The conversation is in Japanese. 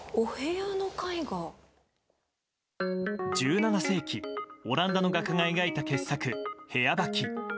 １７世紀オランダの画家が描いた傑作「部屋履き」。